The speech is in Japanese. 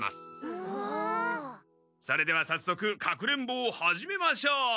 それではさっそく隠れんぼを始めましょう！